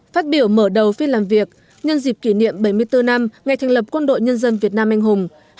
phát biểu mở đầu phiên làm việc nhân dịp kỷ niệm bảy mươi bốn năm ngày thành lập quân đội nhân dân việt nam anh hùng